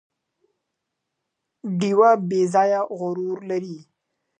ډیوه بې ځايه غرور لري